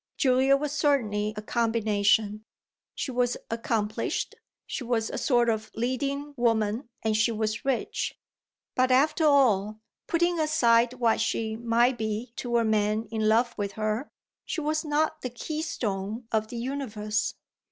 Julia was certainly a combination she was accomplished, she was a sort of leading woman and she was rich; but after all putting aside what she might be to a man in love with her she was not the keystone of the universe.